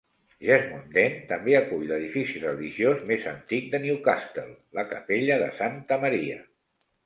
Jesmond Dene també acull l'edifici religiós més antic de Newcastle, la capella de Santa Maria.